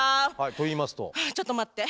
といいますと？はあちょっと待って。